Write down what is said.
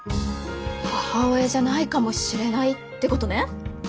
母親じゃないかもしれないってことね。